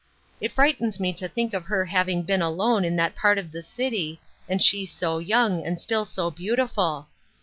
It frightens me to think of her having been alone in that part of the city, and she so young, and still so beautiful."